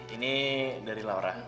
ini dari laura